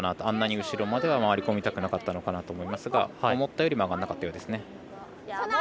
あんなに後ろまでは回り込みたくなかったのかなと思ったんですが思ったより曲がんなかったようですね。